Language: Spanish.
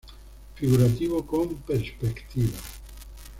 Figurativo con perspectiva.